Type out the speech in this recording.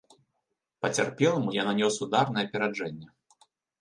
Пацярпеламу я нанёс удар на апераджэнне.